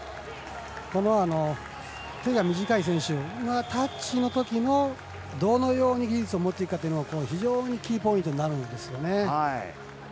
手が短い選手タッチのときどのように技術を持っていくかというのが非常にキーポイントになるんですよね。